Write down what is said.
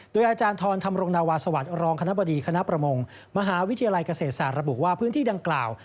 โดยอาจารย์ทรธรรมรงนาวาสวัสดิ์รองคณะบดีคณะประมงมหาวิทยาลัยเกษตรศาสตร์ระบุว่าพื้นที่ดังกล่าว